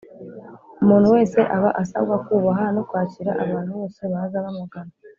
Umuntu wese aba asabwa kubaha no kwakira abantu bose baza bamugana